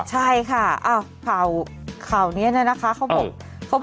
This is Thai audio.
ใช่ค่ะข่าวนี้นะคะเขาบอก